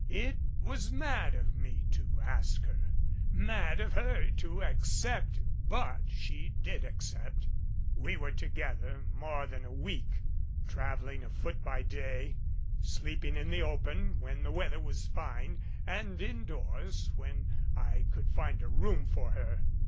It was mad of me to ask her, mad of her to accept but she did accept. We were together more than a week traveling afoot by day sleeping in the open when the weather was fine and indoors when I could find a room for her.